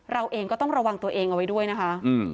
เราเองก็ต้องระวังตัวเองเอาไว้ด้วยนะคะ